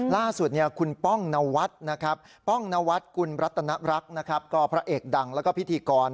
ล่าสุดคุณป้องนวัตรคุณประตนรักพระเอกดังและพิธีกร